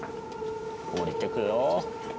下りてくよ。